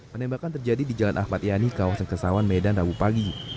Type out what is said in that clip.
penembakan terjadi di jalan ahmad yani kawasan kesawan medan rabu pagi